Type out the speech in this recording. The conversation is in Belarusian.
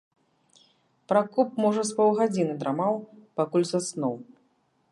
Пракоп можа з паўгадзіны драмаў, пакуль заснуў.